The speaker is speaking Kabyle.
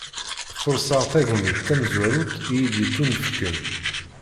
Furseɣ tagnit tamezwarut iyi-d-yettunefken.